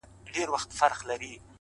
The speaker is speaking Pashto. مخ به در واړوم خو نه پوهېږم،